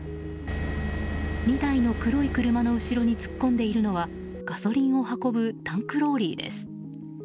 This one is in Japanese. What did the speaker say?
２台の黒い車の後ろに突っ込んでいるのはガソリンを運ぶタンクローリーです。